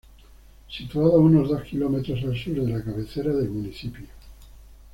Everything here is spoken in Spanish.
Situado a unos dos km al sur de la cabecera del municipio.